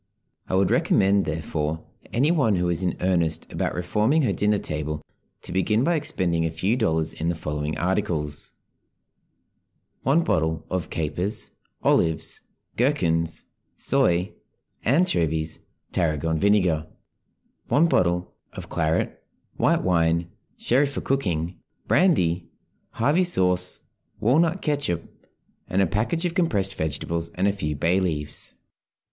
I would recommend, therefore, any one who is in earnest about reforming her dinner table to begin by expending a few dollars in the following articles: 1 bottle of capers, 1 " olives, 1 " gherkins, 1 " soy, 1 " anchovies, 1 " tarragon vinegar, 1 " claret, 1 " white wine, 1 " sherry for cooking, 1 " brandy, 1 " Harvey sauce, 1 " walnut ketchup. And a package of compressed vegetables and a few bay leaves.